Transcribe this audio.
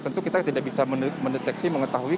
tentu kita tidak bisa mendeteksi mengetahui